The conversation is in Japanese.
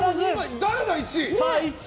誰だ、１位！